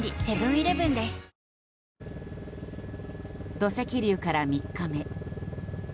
土石流から３日目。